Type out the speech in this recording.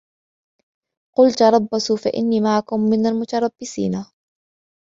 قل تربصوا فإني معكم من المتربصين